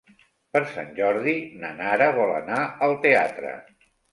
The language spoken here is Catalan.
Per Sant Jordi na Nara vol anar al teatre.